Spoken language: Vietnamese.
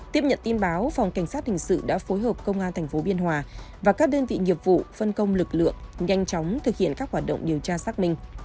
tiếp nhận tin báo phòng cảnh sát hình sự đã phối hợp công an tp biên hòa và các đơn vị nghiệp vụ phân công lực lượng nhanh chóng thực hiện các hoạt động điều tra xác minh